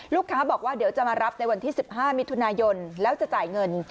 ลูกค้าบอกว่าเดี๋ยวจะมารับในวันที่๑๕มิถุนายนแล้วจะจ่ายเงิน